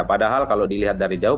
padahal kalau dilihat dari jauh